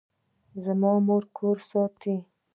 زما مور کور ساتي